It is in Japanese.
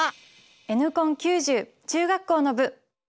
「Ｎコン９０」中学校の部。